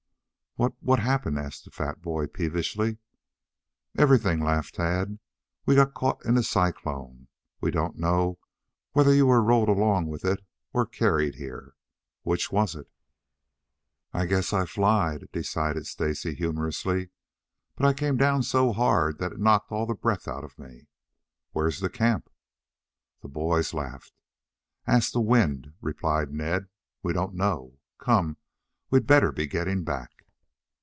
"Wha what happened?" asked the fat boy peevishly. "Everything," laughed Tad. "We got caught in a cyclone. We don't know whether you were rolled along with it or carried here. Which was it?" "I guess I flied," decided Stacy humorously. "But I came down so hard that it knocked all the breath out of me. Where's the camp?" The boys laughed. "Ask the wind," replied Ned. "We don't know. Come! We'd better be getting back."